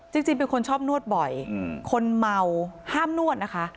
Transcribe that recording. จริงเป็นคนชอบนวดบ่อยคนเมาห้ามนวดนะคะ